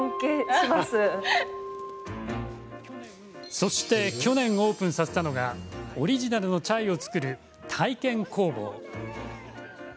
そして、去年オープンさせたのがオリジナルのチャイを作る体験工房。